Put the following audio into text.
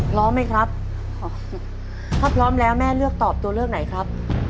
พร้อมไหมครับพร้อมถ้าพร้อมแล้วแม่เลือกตอบตัวเลือกไหนครับ